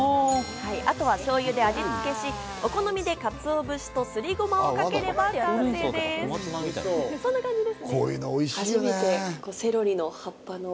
あとは、しょうゆで味つけし、お好みでかつおぶしとすりごまをかければ完成です。